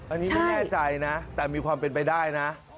อันนี้ไม่แน่ใจนะแต่มีความเป็นไปได้นะ